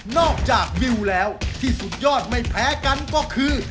จากวิวแล้วที่สุดยอดไม่แพ้กันก็คือ